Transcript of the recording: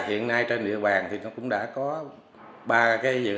hiện nay trên địa bàn thì nó cũng đã có ba cái dự án